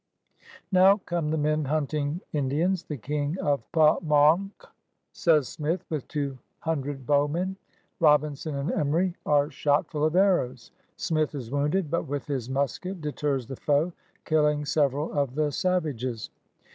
Now come the men hunting Indians — the Sling of Pamaunck, says Smith, with two hundred bowmen. Robinson and Emry are shot full of arrows. Smith is wounded, but with his musket deters the foe, kill ing several of the savages.